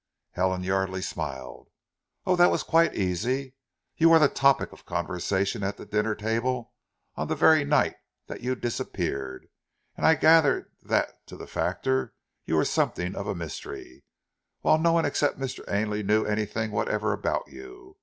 Helen Yardely smiled. "Oh, that was quite easy. You were the topic of conversation at the dinner table on the very night that you disappeared; and I gathered that to the factor you were something of a mystery, whilst no one except Mr. Ainley knew anything whatever about you.